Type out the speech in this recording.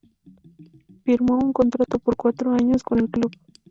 Firmó un contrato por cuatro años con el club.